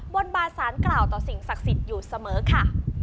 บนบานสารกล่าวต่อสิ่งศักดิ์สิทธิ์อยู่เสมอค่ะ